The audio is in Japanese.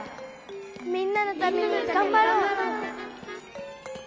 みんなのためにがんばろう。